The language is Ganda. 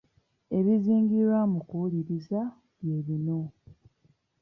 Ebizingirwa mu kuwuliriza bye bino.